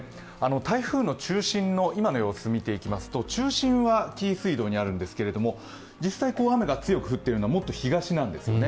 台風の中心の今の様子見ていきますと中心は紀伊水道にあるんですけれども実際雨が強く降っているのはもっと東なんですよね。